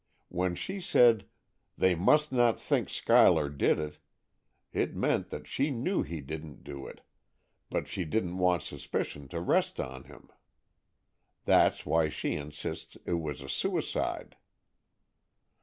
When she said, 'They must not think Schuyler did it,' it meant that she knew he didn't do it, but she didn't want suspicion to rest on him. That's why she insists it was a suicide."